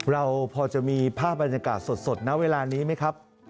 เราพอจะมีภาพบรรยากาศสดนะเวลานี้ไหมครับ